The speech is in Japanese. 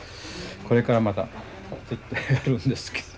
これからまたやるんですけど。